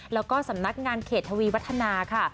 แล้วก็สำนักงานเขตทวีวัฒนาค่ะ